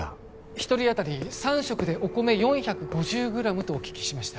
１人当たり３食でお米４５０グラムとお聞きしました